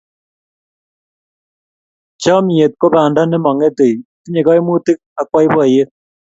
Chomnyet ko banda ne mang'etei, tinyei kaimutiik ak boiboiyet.